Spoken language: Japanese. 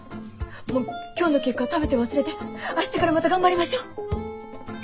もう今日の結果は食べて忘れて明日からまた頑張りましょう。